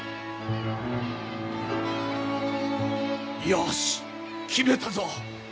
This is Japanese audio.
よし決めたぞ！